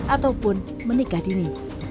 ataupun menikah dini